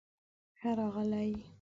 ښۀ راغلئ